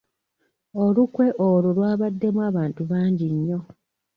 Olukwe olwo lwabaddemu abantu bangi nnyo.